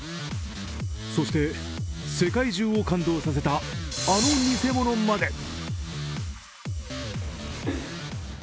そして、世界中を感動させた、あの偽物まで。